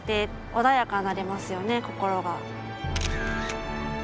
穏やかになりますよね心が。